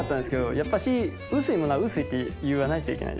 やっぱし薄いものは薄いって言わないといけない。